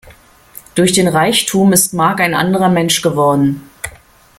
Durch den Reichtum ist Mark ein anderer Mensch geworden.